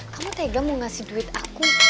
kamu tega mau ngasih duit aku